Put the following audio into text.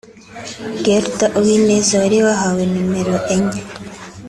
Guelda Uwineza wari wahawe nimero enye